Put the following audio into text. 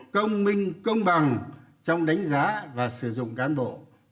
công minh công bằng trong đánh giá và sử dụng cán bộ